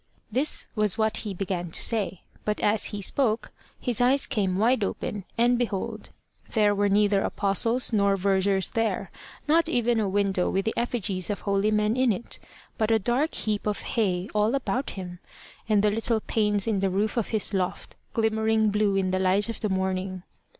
This was what he began to say, but as he spoke his eyes came wide open, and behold, there were neither Apostles nor vergers there not even a window with the effigies of holy men in it, but a dark heap of hay all about him, and the little panes in the roof of his loft glimmering blue in the light of the morning.